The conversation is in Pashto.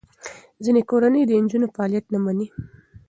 ځینې کورنۍ د نجونو فعالیت نه مني.